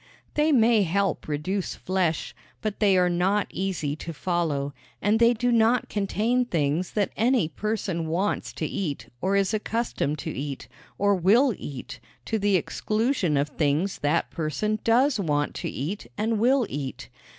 They may help reduce flesh, but they are not easy to follow and they do not contain things that any person wants to eat or is accustomed to eat, or will eat, to the exclusion of things that person does want to eat and will eat.